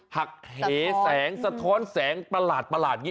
หักแหแสงสะท้อนแสงประหลาด